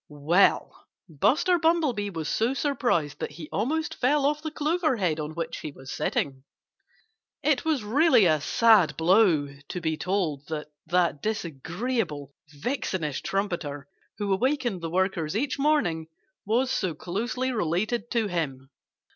Well, Buster Bumblebee was so surprised that he almost fell off the clover head on which he was sitting. It was really a sad blow to be told that that disagreeable, vixenish trumpeter, who awakened the workers each morning, was so closely related to him.